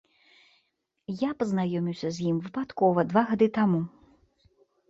Я пазнаёміўся з ім выпадкова два гады таму.